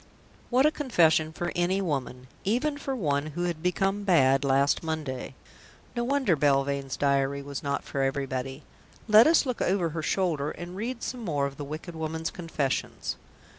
What a confession for any woman even for one who had become bad last Monday! No wonder Belvane's diary was not for everybody. Let us look over her shoulder and read some more of the wicked woman's confessions.